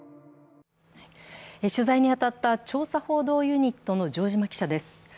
取材に当たった調査報道ユニットの城島記者です。